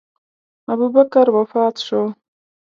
ابوبکر وفات شو.